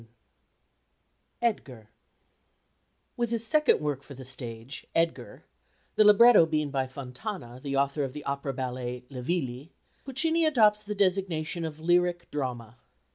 V "EDGAR" With his second work for the stage, Edgar the libretto being by Fontana, the author of the opera ballet Le Villi Puccini adopts the designation of lyric drama.